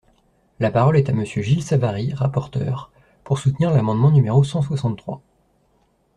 La parole est à Monsieur Gilles Savary, rapporteur, pour soutenir l’amendement numéro cent soixante-trois.